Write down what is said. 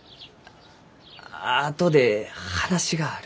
あとで話がある。